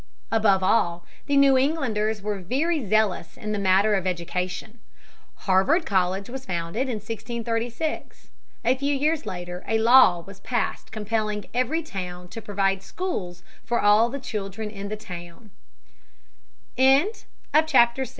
Above all, the New Englanders were very zealous in the matter of education. Harvard College was founded in 1636. A few years later a law was passed compelling every town to provide schools for all the children in the town.